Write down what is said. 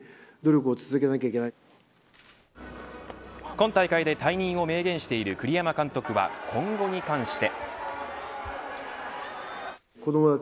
今大会で退任を明言している栗山監督は今後に関して。